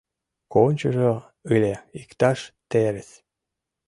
Кончыжо ыле иктаж терыс.